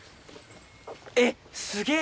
えっすげぇ！